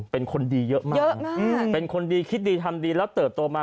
เป็นคนดีเยอะมากเป็นคนดีคิดดีทำดีแล้วเติบโตมา